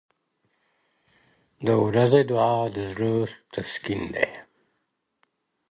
• د ورځې دعا د زړه تسکین دی.